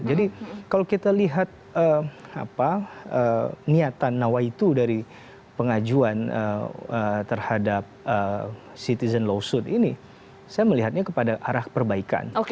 jadi kalau kita lihat niatan nawaitu dari pengajuan terhadap citizen lawsuit ini saya melihatnya kepada arah perbaikan